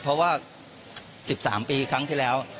เพราะว่า๑๓ปีครั้งที่แล้ว